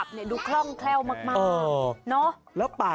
ไม่ธรรมดา